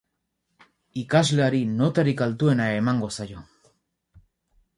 Ikasleari notarik altuena emango zaio.